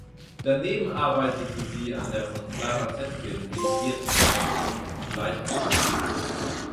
Daneben arbeitete sie an der von Clara Zetkin redigierten Zeitschrift "Die Gleichheit" mit.